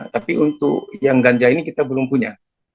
tapi untuk yang ganja ini kita belum punya